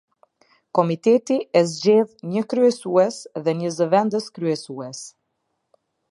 Komiteti e zgjedhë një kryesues dhe një zëvendës kryesues.